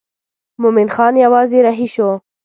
مومن خان یوازې رهي شو.